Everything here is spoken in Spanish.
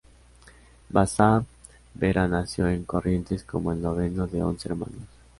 Bazán Vera nació en Corrientes como el noveno de once hermanos.